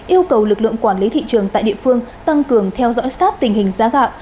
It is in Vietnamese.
yêu cầu lực lượng quản lý thị trường tại địa phương tăng cường theo dõi sát tình hình giá gạo